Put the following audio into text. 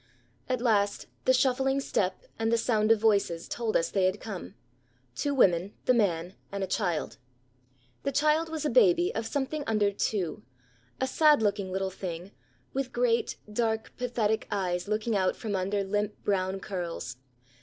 At last the shuffling step and the sound of voices told us they had come two women, the man, and a child. The child was a baby of something under two, a sad looking little thing, with great, dark, pathetic eyes looking out from under limp brown curls.